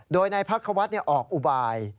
โดยนายพักควัฒน์ออกอุบาย